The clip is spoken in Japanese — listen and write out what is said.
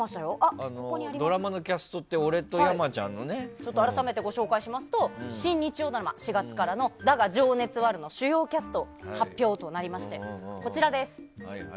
ドラマのキャストって改めてご紹介しますと新日曜ドラマ、４月からの「だが、情熱はある」の主要キャスト発表となりましてこちらです。